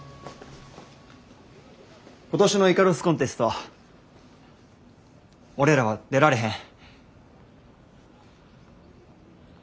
今年のイカロスコンテスト俺らは出られへん。